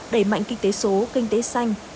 đẩy mạnh kinh tế số kinh tế xanh